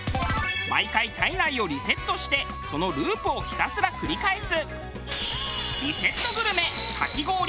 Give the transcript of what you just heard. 毎回体内をリセットしてそのループをひたすら繰り返す。